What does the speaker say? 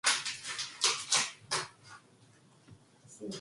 하고 자기가 자기의 한 짓이 부끄러운 중에도 허무한 듯하여 혼자 웃었다.